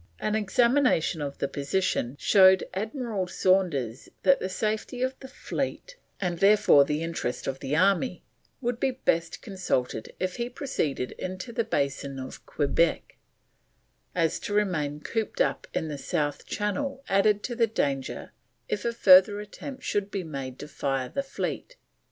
An examination of the position showed Admiral Saunders that the safety of the fleet, and therefore the interests of the army, would be best consulted if he proceeded into the Basin of Quebec, as to remain cooped up in the south channel added to the danger if a further attempt should be made to fire the fleet.